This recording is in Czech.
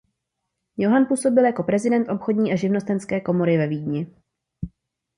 Johann působil jako prezident Obchodní a živnostenské komory ve Vídni.